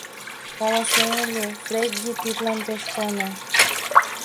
Каласен ыле: Фредди тидлан пеш куана.